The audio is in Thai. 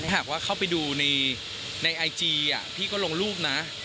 หากว่าเข้าไปดูในไอจีพี่ก็ลงรูปนะ